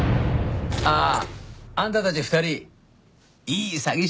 あああんたたち２人いい詐欺師になれるよ。